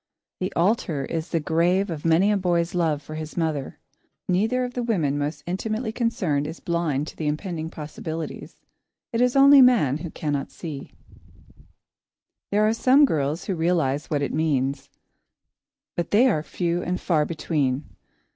The altar is the grave of many a boy's love for his mother. Neither of the women most intimately concerned is blind to the impending possibilities; it is only man who cannot see. [Sidenote: One in a Thousand] There are some girls who realise what it means, but they are few and far between.